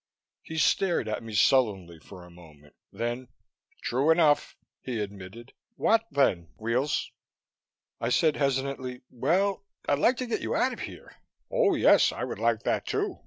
He stared at me sullenly for a moment. Then, "True enough," he admitted. "What then, Weels?" I said hesitantly, "Well, I'd like to get you out of here...." "Oh, yes. I would like that, too.